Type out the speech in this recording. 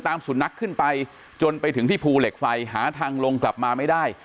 สุนัขขึ้นไปจนไปถึงที่ภูเหล็กไฟหาทางลงกลับมาไม่ได้